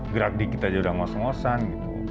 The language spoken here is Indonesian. gerak dikit aja udah ngos ngosan gitu